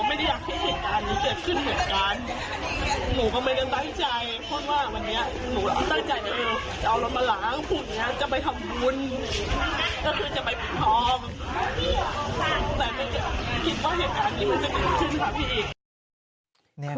แต่ไม่คิดว่าเหตุการณ์นี้มันจะเกิดขึ้นครับพี่อีก